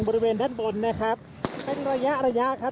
บริเวณด้านบนนะครับเป็นระยะระยะครับ